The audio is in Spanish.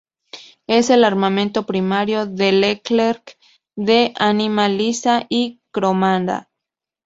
Es el armamento primario del Leclerc, de ánima lisa y cromada.